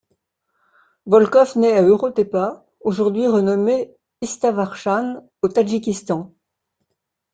Volkov naît à Uroteppa, aujourd'hui renommée Istaravshan, au Tadjikistan.